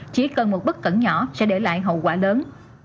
chỉ cần một bức cẩn nhỏ sẽ để lại hậu quả lớn